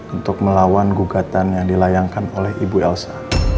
untuk melawan gugatan yang dilayangkan oleh ibu elsa